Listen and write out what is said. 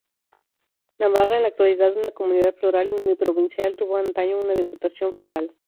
Navarra, en la actualidad una comunidad foral uniprovincial, tuvo antaño una diputación foral.